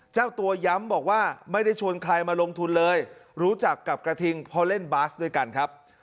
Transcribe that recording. เจ้าตัวย้ำบอกว่าไม่ได้ชวนใครมาลงทุนเลยรู้จักกับกระทิงพอเล่นบาสด้วยกันครับ